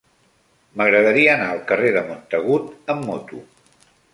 M'agradaria anar al carrer de Montagut amb moto.